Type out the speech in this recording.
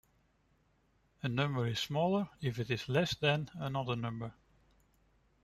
A number is smaller if it is less than another number.